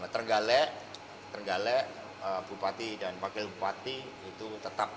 tergalek bupati dan wakil bupati itu tetap